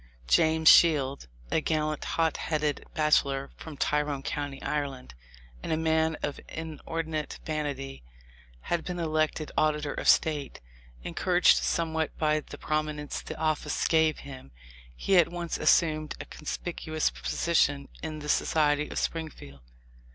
James Shields, a "gallant, hot headed bachelor from Tyrone county, Ireland," and a man of inor dinate vanity, had been elected Auditor of State. Encouraged somewhat by the prominence the office gave him, he at once assumed a conspicuous posi tion in the society of Springfield.